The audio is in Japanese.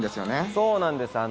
そうなんです。